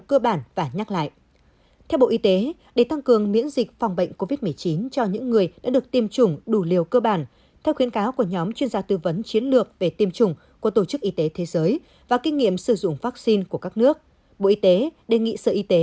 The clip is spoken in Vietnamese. các bạn hãy đăng ký kênh để ủng hộ kênh của chúng mình nhé